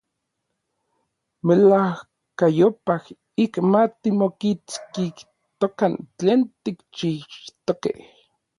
Melajkayopaj ik ma timokitskijtokan tlen tikchixtokej.